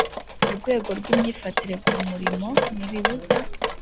rwego rw imyifatire ku murimo ntibibuza